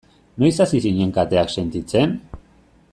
Noiz hasi zinen kateak sentitzen?